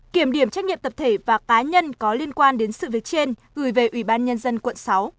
kiểm điểm trách nhiệm tập thể và cá nhân có liên quan đến sự việc trên gửi về ubnd quận sáu